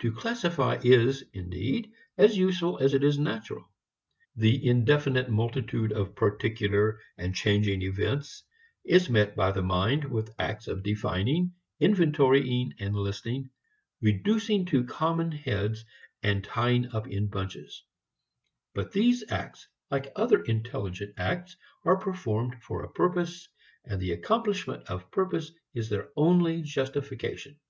To classify is, indeed, as useful as it is natural. The indefinite multitude of particular and changing events is met by the mind with acts of defining, inventorying and listing, reducing to common heads and tying up in bunches. But these acts like other intelligent acts are performed for a purpose, and the accomplishment of purpose is their only justification.